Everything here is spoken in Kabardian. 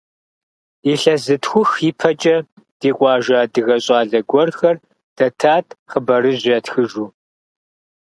Илъэс зытхух и пэкӏэ, ди къуажэ адыгэ щӏалэ гуэрхэр дэтат хъыбарыжь ятхыжу.